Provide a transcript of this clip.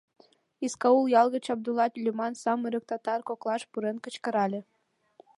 — Искаул ял гыч Абдулла лӱман самырык татар коклаш пурен кычкырале.